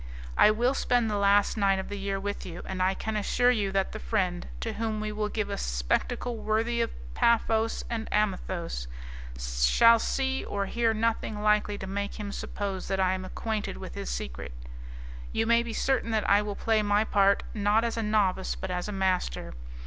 "I will spend the last night of the year with you, and I can assure you that the friend, to whom we will give a spectacle worthy of Paphos and Amathos, shall see or hear nothing likely to make him suppose that I am acquainted with his secret. You may be certain that I will play my part not as a novice but as a master.